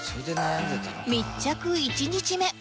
密着１日目